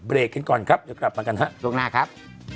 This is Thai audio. กันก่อนครับเดี๋ยวกลับมากันฮะช่วงหน้าครับ